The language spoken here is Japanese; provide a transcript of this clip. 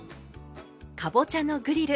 かぼちゃのグリル